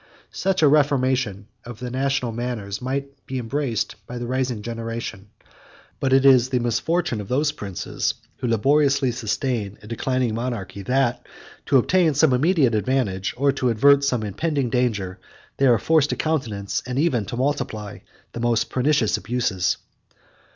Such a reformation of national manners might be embraced by the rising generation; but it is the misfortune of those princes who laboriously sustain a declining monarchy, that, to obtain some immediate advantage, or to avert some impending danger, they are forced to countenance, and even to multiply, the most pernicious abuses.